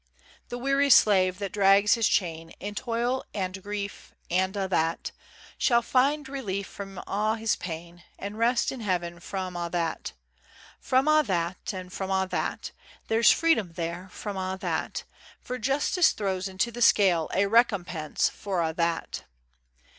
The weary slave that drags his chain, In toil and grief, and a' that, Shall find relief from a' his pain, And rest in Heaven from a' that. From a' that and a' that. There's freedom there from a' that, For Justice throws into the scale A recompense for a' that.